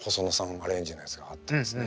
アレンジのやつがあってですね。